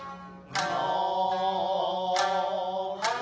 はい。